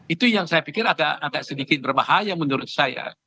itu yang saya pikir agak sedikit berbahaya menurut saya